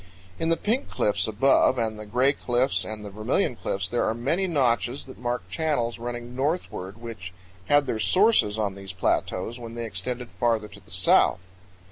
In the Pink Cliffs above and the Gray Cliffs and the Vermilion Cliffs, there are many notches that mark channels running northward which had their sources on these plateaus when they extended farther to the south.